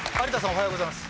おはようございます。